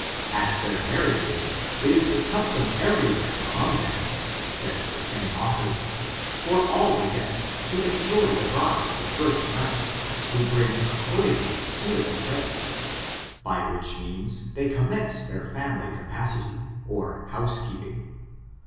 At their mar riages, it is a custom every where among them, says the same author, for all the guests to enjoy the bride, the first night, who bring accordingly suitable pres ents, by which means they commence their family capacity, or house keeping.